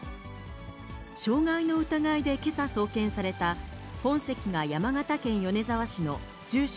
傷害の疑いでけさ送検された、本籍が山形県米沢市の住所